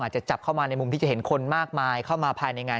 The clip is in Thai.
จะจับเข้ามาในมุมที่จะเห็นคนมากมายเข้ามาภายในงาน